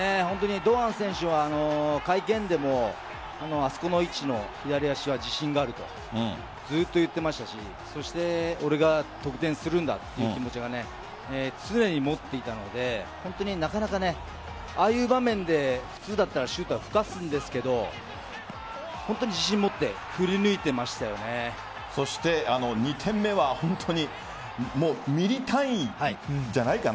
堂安選手は会見でも、あそこの位置の左足は自信があるとずっと言っていましたしそして俺が得点するんだという気持ちを常に持っていたのでなかなかああいう場面で普通だったらシュートはふかすんですが本当に自信を持って２点目は本当にミリ単位じゃないかな。